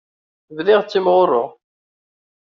Bdiɣ ttimɣureɣ.